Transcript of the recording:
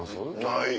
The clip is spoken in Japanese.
ない。